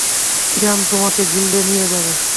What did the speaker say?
Tian তোমাকে গিল্ডে নিয়ে যাবে।